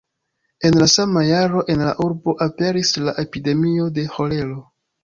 En la sama jaro en la urbo aperis la epidemio de ĥolero.